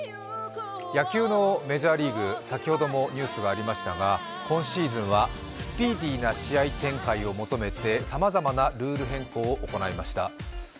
野球のメジャーリーグ先ほどもニュースがありましたが今シーズンはスピーディーな試合展開を求めてさまざまなルール変更を行いました。